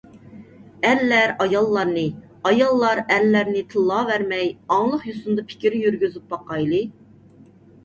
ئەرلەر ئاياللارنى، ئاياللار ئەرلەرنى تىللاۋەرمەي، ئاڭلىق يوسۇندا پىكىر يۈرگۈزۈپ باقايلى.